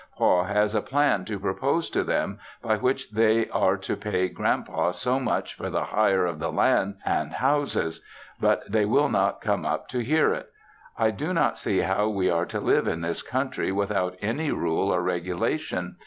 Pa has a plan to propose to them by which they are to pay Grand Pa so much for the hire of the land and houses; but they will not come up to hear it. I do not see how we are to live in this country without any rule or regulation.